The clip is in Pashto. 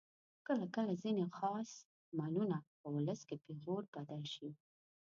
کله کله ځینې خاص عملونه په ولس کې پیغور بدل شي.